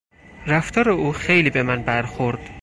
رفتار او خیلی به من برخورد.